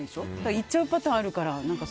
行っちゃうパターンもあるから。